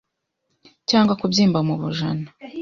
Cyangwa kubyimba mu bujana